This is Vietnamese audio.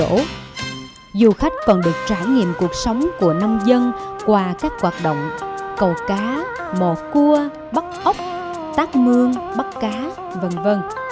du khách còn được trải nghiệm cuộc sống của nông dân qua các hoạt động cầu cá mò cua bắt ốc tác mương bắt cá v v